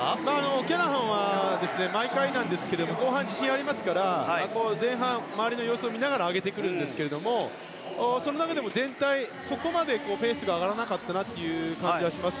オキャラハンは毎回なんですけど後半に自信がありますから前半、周りの様子を見ながら上げてくるんですけどその中でも全体的にそこまでペースが上がらなかった感じはします。